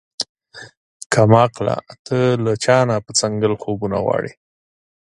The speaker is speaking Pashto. کم عقله تۀ د چا نه پۀ څنګل خوبونه غواړې